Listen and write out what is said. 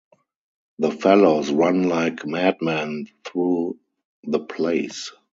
The fellows run like madmen through the place.